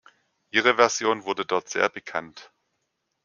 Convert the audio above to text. Ihre Version wurde dort sehr bekannt.